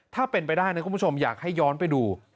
ถ้าเป็นไปได้นะคุณผู้ชมอยากให้ย้อนไปดู